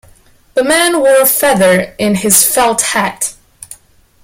The man wore a feather in his felt hat.